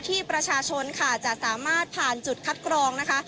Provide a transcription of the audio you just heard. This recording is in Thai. ที่ประชาชนค่ะจะสามารถผ่านจุดคัดกรองนะคะ